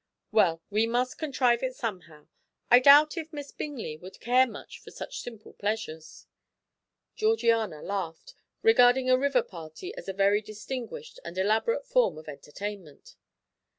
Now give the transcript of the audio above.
"Well, we must contrive it somehow; I doubt if Miss Bingley would care much for such simple pleasures." Georgiana laughed, regarding a river party as a very distinguished and elaborate form of entertainment.